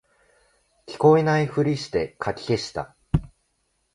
聞こえないふりしてかき消した